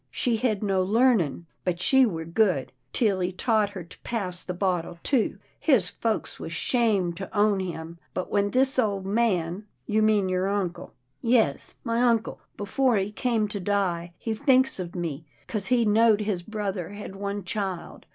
She hed no learnin', but she were good, till he taught her to pass the bottle too. His folks was 'shamed to own him, but when this old man —"" You mean your uncle? "" Yes my uncle, before he come to die', he thinks of me, 'cause he knowed his brother hed one child.